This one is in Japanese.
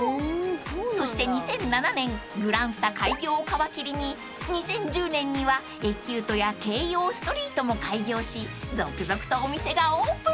［そして２００７年グランスタ開業を皮切りに２０１０年にはエキュートや京葉ストリートも開業し続々とお店がオープン］